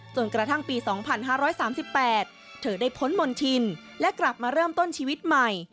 จนกระทั่งปี๒๕๓๘เธอได้พ้นมณฑินและกลับมาเริ่มต้นชีวิตใหม่